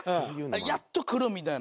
やっとくるみたいな。